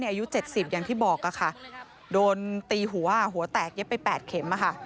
อายุ๗๐อย่างที่บอกค่ะโดนตีหัวหัวแตกเย็บไป๘เข็ม